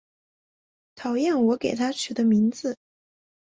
讨厌我给她取的名字